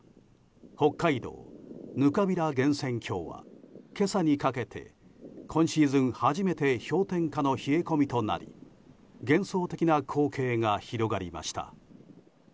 北海道ぬかびら源泉郷は今朝にかけて今シーズン初めて氷点下の冷え込みとなり幻想的な光景が広がりました。